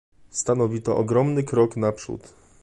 Stanowi to ogromny krok naprzód